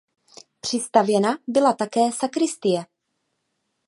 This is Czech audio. Přistavěna byla také sakristie.